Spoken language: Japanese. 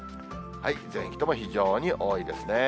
全域とも、非常に多いですね。